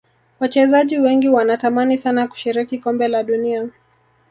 Wachezaji wengi wanatamani sana kushiriki kombe la dunia